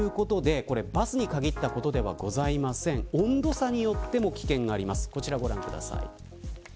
バスに限ったことではありません温度差によっても危険があります。